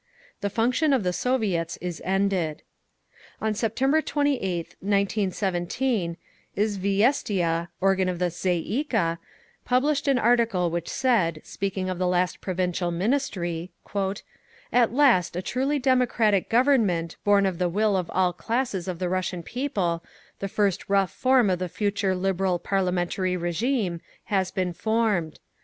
THE FUNCTION OF THE SOVIETS IS ENDED On September 28th, 1917, Izviestia, organ of the Tsay ee kah, published an article which said, speaking of the last Provisional Ministry: "At last a truly democratic government, born of the will of all classes of the Russian people, the first rough form of the future liberal parliamentary régime, has been formed.